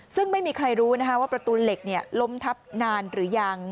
ซึ่งไม่มีใครรู้ว่าประตูเหล็กล้มทับนานหรือยัง